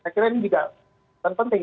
akhirnya ini juga penting